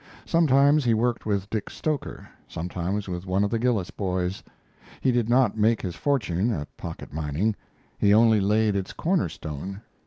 Sometimes he worked with Dick Stoker, sometimes with one of the Gillis boys. He did not make his fortune at pocket mining; he only laid its corner stone.